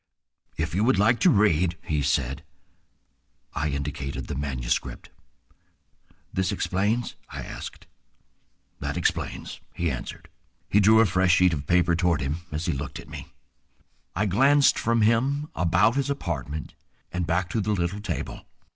"If you would like to read—" he said. I indicated the manuscript. "This explains?" I asked. "That explains," he answered. He drew a fresh sheet of paper toward him as he looked at me. I glanced from him about his apartment and back to the little table.